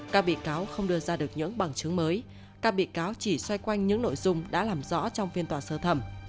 các bị cáo không đưa ra được những bằng chứng mới các bị cáo chỉ xoay quanh những nội dung đã làm rõ trong phiên tòa sơ thẩm